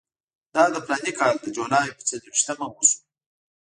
دا د فلاني کال د جولای پر څلېرویشتمه وشو.